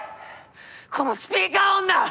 このスピーカー女！！